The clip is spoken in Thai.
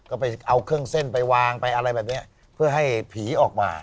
ก็ไปเอาเครื่องเส้นไปวางไปอะไรแบบนี้เพื่อให้ผีออกมา